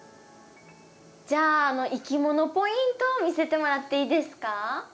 じゃあいきものポイント見せてもらっていいですか？